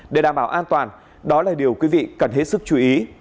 để đảm bảo an toàn đó là điều quý vị cần hết sức chú ý